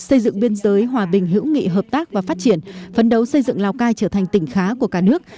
xây dựng biên giới hòa bình hữu nghị hợp tác và phát triển phấn đấu xây dựng lào cai trở thành tỉnh khá của cả nước